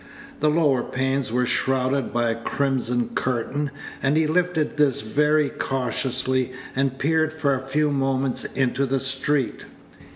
The lower panes were shrouded by a crimson curtain, and he lifted this very cautiously, and peered for a few moments into the street.